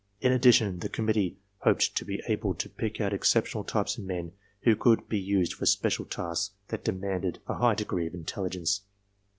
In addition, the committee hoped to be able to pick out exceptional types of men who could be used for special I tasks that demanded a high degree of intelligence.